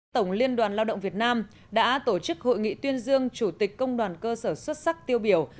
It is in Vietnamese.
tổng liên đoàn lao động việt nam đã tổ chức hội nghị tuyên dương chủ tịch công đoàn cơ sở xuất sắc tiêu biểu